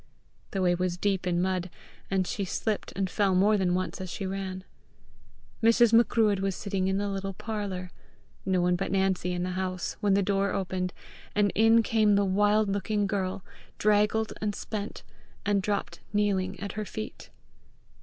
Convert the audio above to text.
The way was deep in mud, and she slipped and fell more than once as she ran. Mrs. Macruadh was sitting in the little parlour, no one but Nancy in the house, when the door opened, and in came the wild looking girl, draggled and spent, and dropped kneeling at her feet.